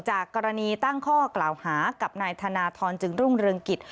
จากกรณีตั้งข้อกล่าวหากับนายธนทรจึงรุ่งเรืองกิจ